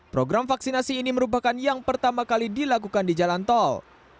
program vaksinasi ini merupakan yang pertama kali dilakukan di jalan tol